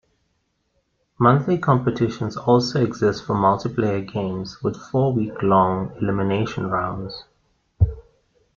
Monthly competitions also exist for multiplayer games with four week-long elimination rounds.